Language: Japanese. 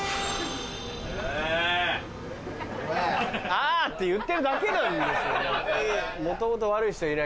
・あ・「あ」って言ってるだけなんですよね。